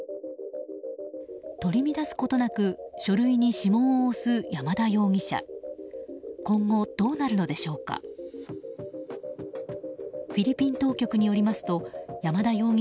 取り乱すことなく書類に指紋を押す山田容疑者。